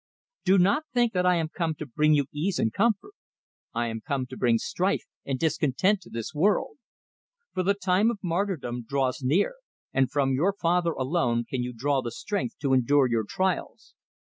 "Do not think that I am come to bring you ease and comfort; I am come to bring strife and discontent to this world. For the time of martyrdom draws near, and from your Father alone can you draw the strength to endure your trials.